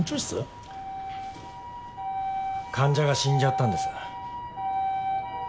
患者が死んじゃったんです。